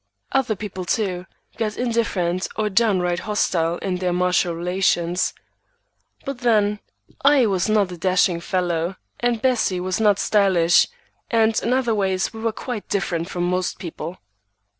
Other people, too, got indifferent or downright hostile in their marital relations. But then, I was not a dashing fellow and Bessie was not stylish, and in other ways we were quite different from most people.